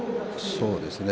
そうですね